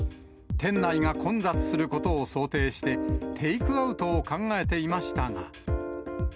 店内が混雑することを想定して、テイクアウトを考えていましたが。